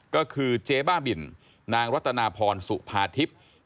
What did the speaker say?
ก็คือเจ๊บ้าบินนางรัตนาพรสุภาทิพย์